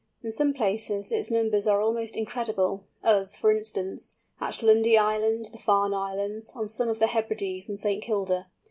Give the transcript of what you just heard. In some places its numbers are almost incredible, as for instance, at Lundy Island, the Farne Islands, on some of the Hebrides, and St. Kilda.